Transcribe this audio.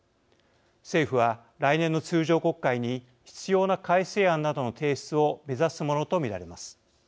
政府は来年の通常国会に必要な改正案などの提出を目指すものと見られます。